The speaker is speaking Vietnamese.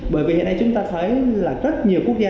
bởi vì hiện nay chúng ta thấy là rất nhiều quốc gia